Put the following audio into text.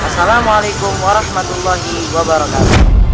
assalamualaikum warahmatullahi wabarakatuh